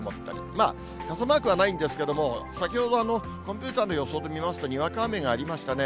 まあ、傘マークはないんですけども、先ほど、コンピューターの予想で見ますとにわか雨がありましたね。